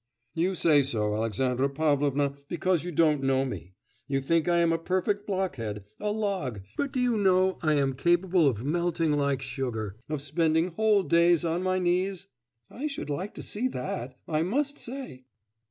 'You say so, Alexandra Pavlovna, because you don't know me. You think I am a perfect blockhead, a log; but do you know I am capable of melting like sugar, of spending whole days on my knees?' 'I should like to see that, I must say!